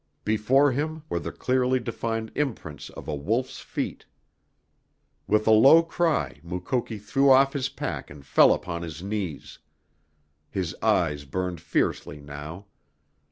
Before him were the clearly defined imprints of a wolf's feet. With a low cry Mukoki threw off his pack and fell upon his knees. His eyes burned fiercely now.